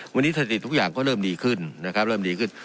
วันนี้สถิติทุกอย่างก็เริ่มดีขึ้นนะครับเริ่มดีขึ้น